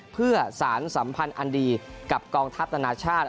เพื่อสารสัมพันธ์อันดีกับกองทัพนานาชาติ